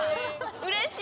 ・うれしい！